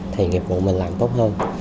thì nghiệp vụ mình làm tốt hơn